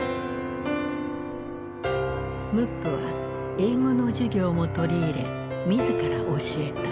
ムックは英語の授業も取り入れ自ら教えた。